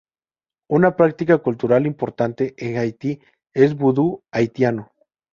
Una práctica cultural importante en Haití es vudú haitiano.